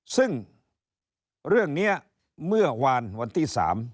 ซึ่งเรื่องนี้เมื่อวานวันที่๓